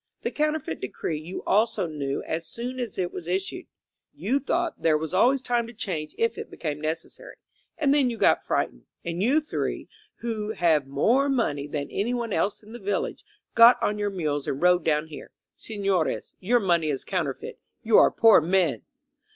The Counterfeit Decree you also knew as soon as it was issued. You thought there was always time to change if it became necessary. And then you got frightened, and you three, who have more money than anyone else in the village, got on your mules and rode down here. Sefiores, your money is counterfeit. You are poor men